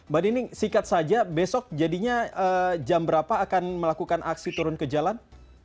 mbak nining sikat saja besok jadinya jam berapa akan melakukan aksi turun ke jalan